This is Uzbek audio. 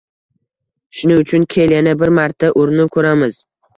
Shuning uchun, kel, yana bir marta urinib ko‘ramiz…